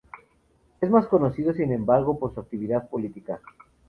Es más conocido sin embargo por su actividad política.